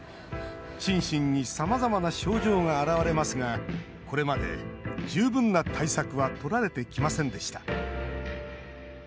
心身にさまざまな症状が現れますがこれまで十分な対策はとられてきませんでした。